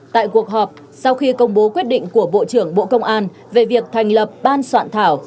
tại cuộc họp sau khi công bố quyết định của bộ trưởng bộ công an về việc thành lập ban soạn thảo